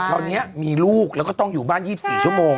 คราวนี้มีลูกแล้วก็ต้องอยู่บ้าน๒๔ชั่วโมง